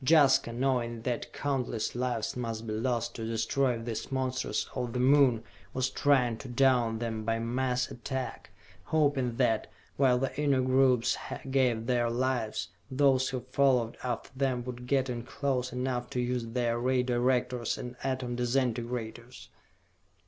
Jaska, knowing that countless lives must be lost to destroy these monsters of the Moon, was trying to down them by mass attack, hoping that, while the inner groups gave their lives, those who followed after them would get in close enough to use their Ray Directors and Atom Disintegrators.